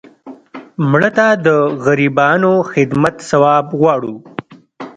مړه ته د غریبانو خدمت ثواب غواړو